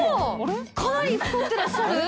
かなり太ってらっしゃる？